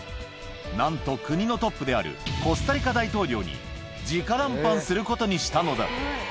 なんと国のトップであるコスタリカ大統領に、じか談判することにしたのだ。